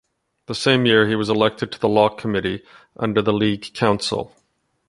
The same year he was elected to the Law committee under the League council.